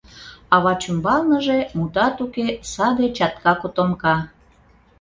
А вачӱмбалныже, мутат уке, саде чатка котомка.